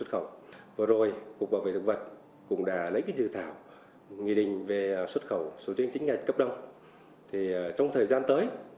trong thời gian tới